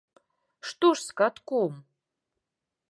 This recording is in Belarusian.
Што ж з катком?